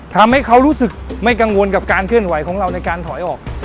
ทำให้เขารู้สึกไม่กังวลกับการเคลื่อนไหวของเราในการถอยออก